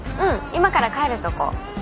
今から帰るとこ。